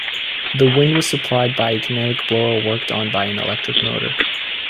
The wind was supplied by a Kinetic Blower worked by an electric motor.